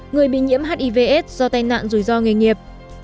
người bị nhiễm hivs do tai nạn rủi ro nghề nghiệp